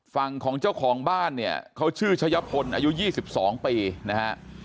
ฝั่งของเจ้าของบ้านเนี่ยเขาชื่อชะยะพลอายุ๒๒ปีนะฮะ